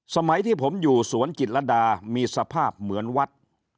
สมัยที่ผมอยู่สวนจิตรดามีสภาพเหมือนวัด